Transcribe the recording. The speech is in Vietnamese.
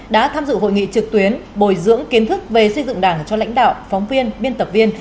đã tham dự hội nghị trực tuyến bồi dưỡng kiến thức về xây dựng đảng cho lãnh đạo phóng viên biên tập viên